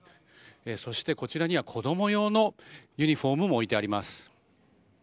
そしてこちらには子供用のユニホームも置いてあります。